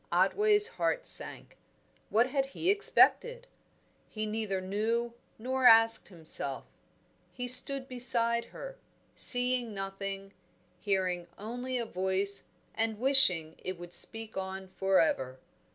Otway's heart sank. What had he expected? He neither knew nor asked himself; he stood beside her, seeing nothing, hearing only a voice and wishing it would speak on for ever.